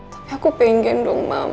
tapi aku pengen dong mam